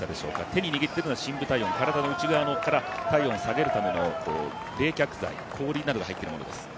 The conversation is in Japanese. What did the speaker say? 手に握っているのが深部体温体の内側から体温を下げるための冷却剤、氷などが入っているものです。